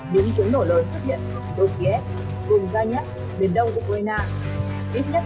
điểm kiến nổ lời xuất hiện đột ghé cùng donetsk miền đông ukraine